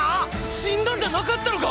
⁉死んだんじゃなかったのか